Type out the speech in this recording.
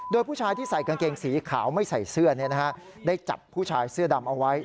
โดยผู้ชายที่ใส่กางเกงสีขาวไม่ใส่เสื้อได้จับผู้ชายเสื้อดำเอาไว้